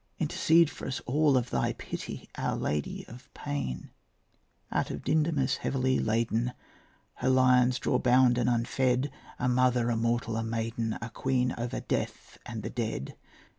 Intercede for us all of thy pity, Our Lady of Pain. Out of Dindymus heavily laden Her lions draw bound and unfed A mother, a mortal, a maiden, A queen over death and the dead.